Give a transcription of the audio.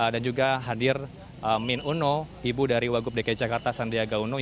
juga hadir min uno ibu dari wagub dki jakarta sandiaga uno